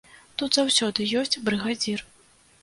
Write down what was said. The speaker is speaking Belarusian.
Тут заўсёды ёсць брыгадзір.